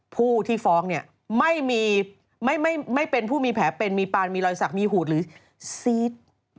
ผู้ที่ฟ้องเนี่ยไม่เป็นผู้มีแผลเป็นมีปานมีรอยสักมีหูดหรือซีด